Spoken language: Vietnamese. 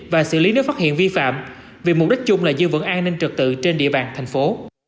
và xử lý nếu phát hiện vi phạm vì mục đích chung là giữ vững an ninh trực tự trên địa bàn thành phố